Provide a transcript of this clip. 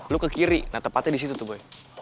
lu ke kiri nah tempatnya disitu tuh boy